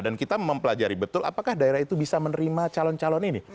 dan kita mempelajari betul apakah daerah itu bisa menerima calon calon ini